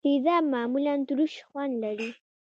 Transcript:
تیزاب معمولا ترش خوند لري.